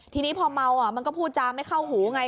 ทีนี้พอเมามันก็พูดจาไม่เข้าหูไง